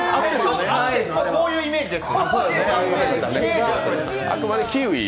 こういうイメージです。